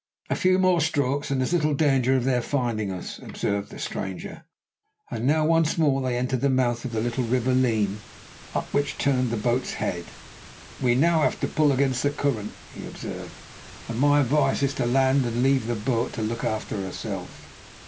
"A few more strokes, and there is little danger of their finding us," observed the stranger; and now once more they entered the mouth of the little river Leen, up which he turned the boat's head. "We have now to pull against the current," he observed, "and my advice is to land and leave the boat to look after herself."